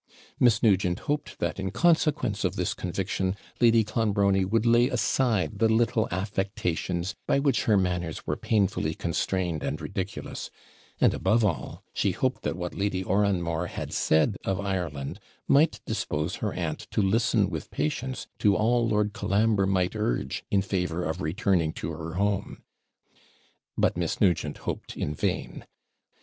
Miss Nugent hoped that in consequence of this conviction Lady Clonbrony would lay aside the little affectations by which her manners were painfully constrained and ridiculous; and, above all, she hoped that what Lady Oranmore had said of Ireland might dispose her aunt to listen with patience to all Lord Colambre might urge in favour of returning to her home. But Miss Nugent hoped in vain.